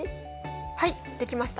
はいできました。